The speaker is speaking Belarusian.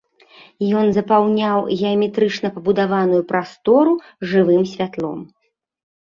Ён запаўняў геаметрычна пабудаваную прастору жывым святлом.